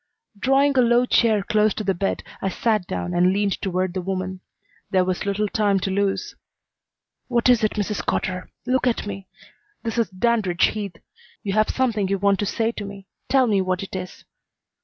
Drawing a low chair close to the bed, I sat down and leaned toward the woman. There was little time to lose. "What is it, Mrs. Cotter? Look at me. This is Dandridge Heath. You have something you want to say to me. Tell me what it is."